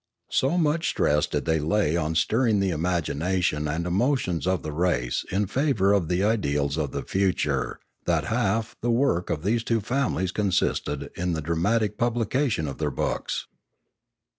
So much stress did they lay on stirring the imagination and emotions of the race in favour of the ideals of the future that half the work of these two families con sisted in the dramatic publication of their books.